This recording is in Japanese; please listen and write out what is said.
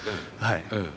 はい。